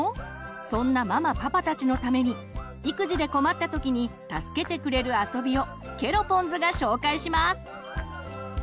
そんなママ・パパたちのために育児で困った時に助けてくれるあそびをケロポンズが紹介します。